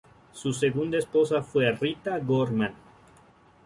Su segunda esposa fue Rita Gorman.